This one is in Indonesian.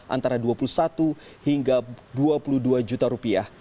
antara rp dua puluh satu hingga rp dua puluh dua juta